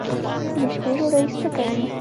د شپې ډوډۍ سپکه وي.